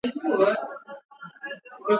Mushi weke nyama chini ita bamaba bulongo